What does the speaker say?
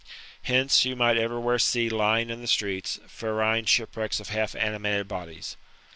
Hence, you might everywhere see lying in the streets, ferine shipwrecks of half animated bodies.